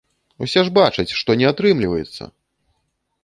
Усе ж бачаць, што не атрымліваецца!